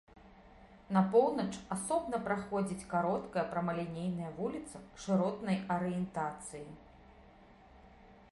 На поўнач асобна праходзіць кароткая прамалінейная вуліца шыротнай арыентацыі.